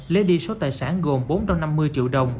lấy đi số tài sản gồm bốn trăm năm mươi triệu đồng